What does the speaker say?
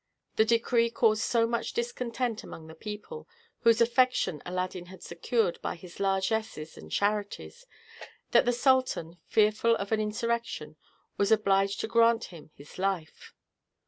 The decree caused so much discontent among the people, whose affection Aladdin had secured by his largesses and charities, that the sultan, fearful of an insurrection, was obliged to grant him his life.